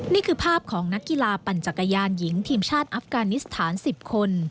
นี่คือภาพของนักกีฬาปั่นจักรยานหญิงทีมชาติอัฟกานิสถาน๑๐คน